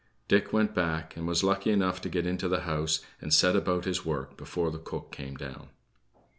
Dick went back, and was lucky enough to get into the house and set about his work before the cook came down.